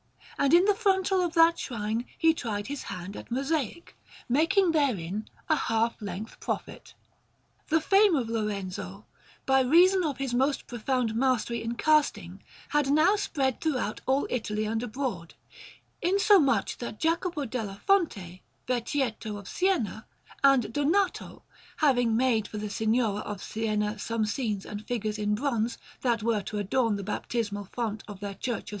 And in the frontal of that shrine he tried his hand at mosaic, making therein a half length prophet. The fame of Lorenzo, by reason of his most profound mastery in casting, had now spread throughout all Italy and abroad, insomuch that Jacopo della Fonte, Vecchietto of Siena, and Donato having made for the Signoria of Siena some scenes and figures in bronze that were to adorn the baptismal font of their Church of S.